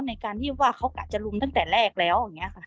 ในการที่ว่าเขากะจะลุมตั้งแต่แรกแล้วอย่างนี้ค่ะ